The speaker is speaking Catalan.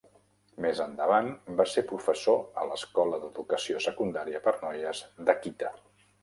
Més endavant, va ser professor a l'escola d'educació secundària per noies d'Akita.